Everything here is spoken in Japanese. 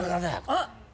あっ！